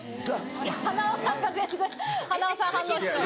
はなわさんが全然はなわさん反応してない。